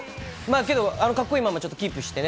けど、かっこいいままちょっとキープしてね。